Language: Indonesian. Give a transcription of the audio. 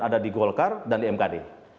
ada di golkar dan di mkd